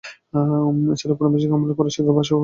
এছাড়া ঔপনিবেশিক আমলে আগত ফরাসি ভাষাও ব্যাপক প্রচলিত।